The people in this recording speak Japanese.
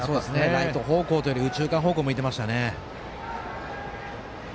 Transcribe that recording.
ライト方向というより右中間方向、向いてましたね。